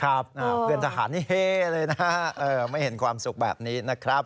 ครับเพื่อนทหารเฮ่เลยนะไม่เห็นความสุขแบบนี้นะครับ